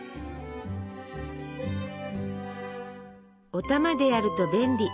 「お玉でやると便利」。